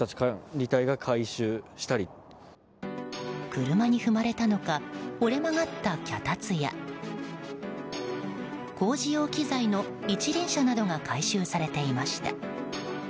車に踏まれたのか折れ曲がった脚立や工事用機材の一輪車などが回収されていました。